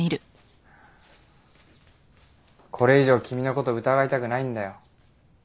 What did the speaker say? これ以上君の事を疑いたくないんだよ。